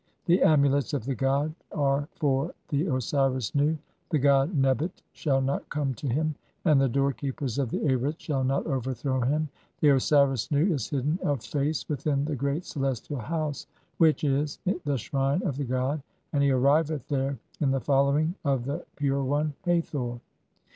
The amulets (?) of the god are for (15) the "Osiris Nu, the god Nebt shall not come to him, and the door "keepers of the Arits shall not overthrow him. The Osiris Nu "(16) is hidden of face within the great celestial house [which "is] the shrine of the god, and he arriveth there in the follow ing of the pure one (?) Hathor.